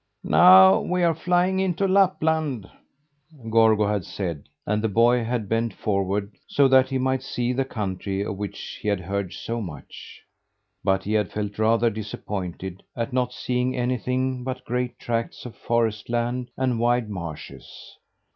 "Now we are flying into Lapland," Gorgo had said, and the boy had bent forward, so that he might see the country of which he had heard so much. But he had felt rather disappointed at not seeing anything but great tracts of forest land and wide marshes.